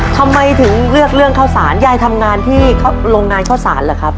ทำไมถึงเลือกเรื่องข้าวสารยายทำงานที่โรงงานข้าวสารเหรอครับ